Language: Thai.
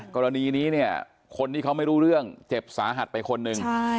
กรณีนี้เนี่ยคนที่เขาไม่รู้เรื่องเจ็บสาหัสไปคนหนึ่ง